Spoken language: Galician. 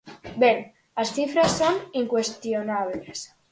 Ben, as cifras son incuestionables.